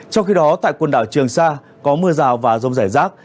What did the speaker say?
trong khi đó tại quần đảo trường sa có mưa rào và rông rải rác